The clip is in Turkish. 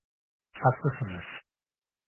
Haklısınız.